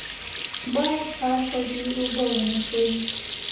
بايد کار ته دې اوږه ونيسې.